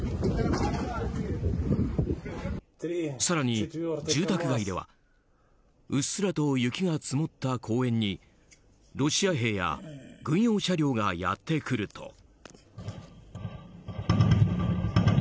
更に、住宅街ではうっすらと雪が積もった公園にロシア兵や軍用車両がやってくると。